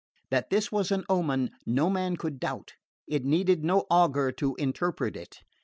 That this was an omen no man could doubt. It needed no augur to interpret it.